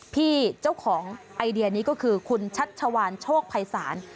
พี่เจ้าของไอเดียนี้ก็คือคุณชัชวานโชคภัยศาล